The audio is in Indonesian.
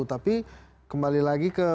tapi kembali lagi ke